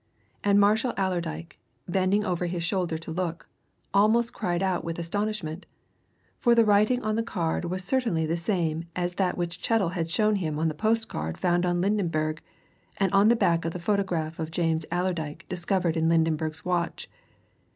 And Marshall Allerdyke, bending over his shoulder to look, almost cried out with astonishment, for the writing on the card was certainly the same as that which Chettle had shown him on the post card found on Lydenberg, and on the back of the photograph of James Allerdyke discovered in Lydenberg's watch.